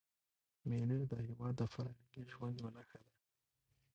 مېلې د هېواد د فرهنګي ژوند یوه نخښه ده.